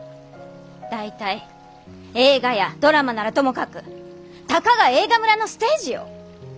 大体映画やドラマならともかくたかが映画村のステージよ？